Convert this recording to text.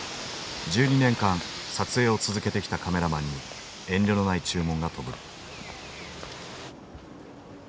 １２年間撮影を続けてきたカメラマンに遠慮のない注文が飛ぶ。